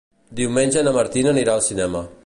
Diumenge na Martina anirà al cinema.